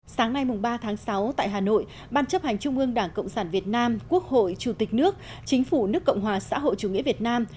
sáng nay ba tháng sáu tại hà nội ban chấp hành trung ương đảng cộng sản việt nam quốc hội chủ tịch nước chính phủ nước cộng hòa xã hội chủ nghĩa việt nam